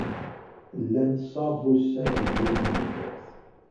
Llan sa wussan deg yiwet n dduṛt.